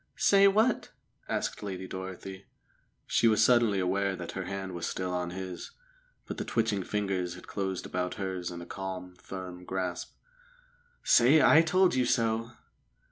"Say what?" asked Lady Dorothy. She was suddenly aware that her hand was still on his, but the twitching fingers had closed about hers in a calm, firm grasp. "Say 'I told you so'!"